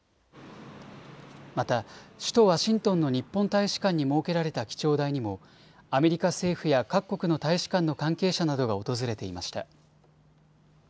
また首都ワシントンの日本大使館に設けられた記帳台にもアメリカ政府や各国の大使館の関係者などが訪れていました。